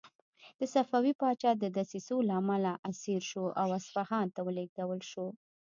د صفوي پاچا د دسیسو له امله اسیر شو او اصفهان ته ولېږدول شو.